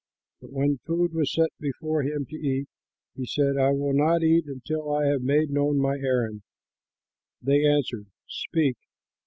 But when food was set before him to eat, he said, "I will not eat until I have made known my errand." They answered, "Speak."